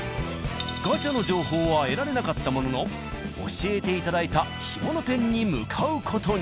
ガチャの情報は得られなかったものの教えていただいた干物店に向かう事に。